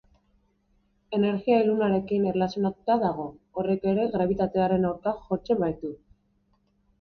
Energia ilunarekin erlazionatuta dago, horrek ere grabitatearen aurka jotzen baitu.